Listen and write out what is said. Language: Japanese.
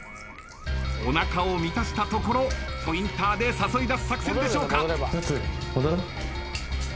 おなかを満たしたところポインターで誘い出す作戦でしょうか？